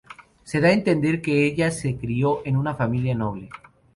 Se da a entender que ella se crio en una familia noble.